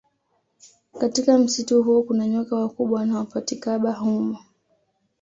Katika msitu huo kuna nyoka wakubwa wanaopatikaba humo